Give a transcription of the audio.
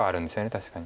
確かに。